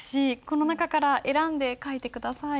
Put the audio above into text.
この中から選んで書いて下さい。